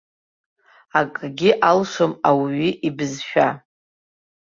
Акгьы алшом ауаҩы ибызшәа!